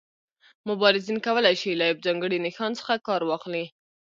مبارزین کولای شي له یو ځانګړي نښان څخه کار واخلي.